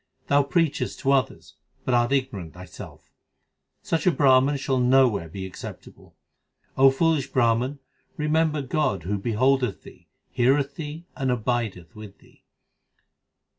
Thou preachest to others, but art ignorant thyself. Such a Brahman shall nowhere be acceptable. O foolish Brahman, remember God Who beholdeth thee, heareth thee, and abideth with thee.